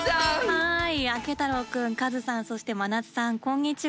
はいあけ太郎くんカズさんそして真夏さんこんにちは。